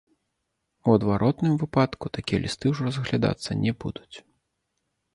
У адваротным выпадку такія лісты ужо разглядацца не будуць.